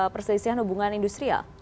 perselisihan hubungan industrial